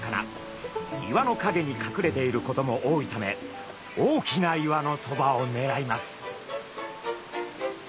岩のかげにかくれていることも多いため大きな岩のそばをねらいます。